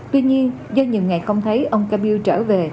tuy nhiên do nhiều ngày không thấy ông cà piêu trở về